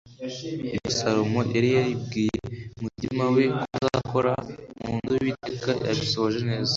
ibyo salomo yari yaribwiye mu mutima we ko azakora mu nzu y'uwiteka, yabisohoje neza